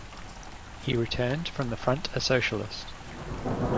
He returned from the front a socialist.